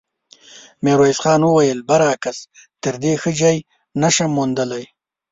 ميرويس خان وويل: برعکس، تر دې ښه ځای نه شم موندلی.